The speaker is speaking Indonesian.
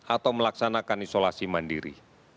atau melaksanakan isolasi mandiri